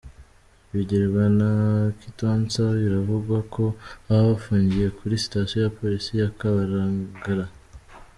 Bigirwa na Kitonsa biravugwa ko baba bafungiye kuri Sitasiyo ya Polisi ya Kabalagala.